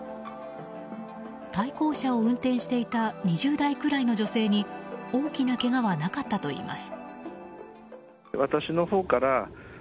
対向車を運転していた２０代くらいの女性に大きなけがはなかったといいます。